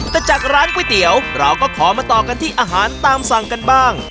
แต่จากร้านก๋วยเตี๋ยวเราก็ขอมาต่อกันที่อาหารตามสั่งกันบ้าง